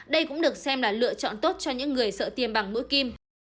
đây cũng được xem là lựa chọn tốt cho những người sợ tiêm bằng mũi kim